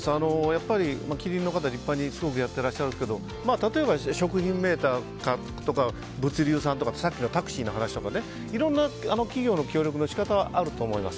やっぱりキリンの方は立派にすごくやっていらっしゃるんですけど例えば、食品メーカーとか物流さんとかさっきのタクシーの話とかいろんな企業の協力の仕方はあるとは思います。